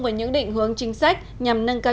vào những định hướng chính sách nhằm nâng cao